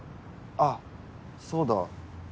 あっそうだ。